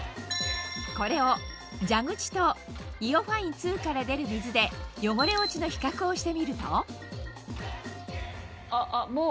これを蛇口とＩＯファイン２から出る水で汚れ落ちの比較をしてみるとああもう。